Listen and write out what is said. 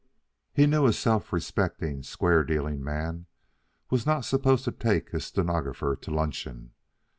He knew a self respecting, square dealing man was not supposed to take his stenographer to luncheon.